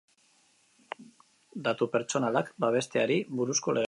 Datu Pertsonalak babesteari buruzko legea.